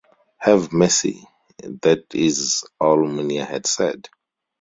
"Have mercy" that is all Munier had said.